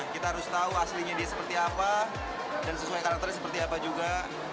kita harus tahu aslinya dia seperti apa dan sesuai karakternya seperti apa juga